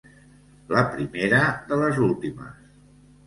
La primera de les últimes.